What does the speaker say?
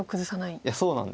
いやそうなんです。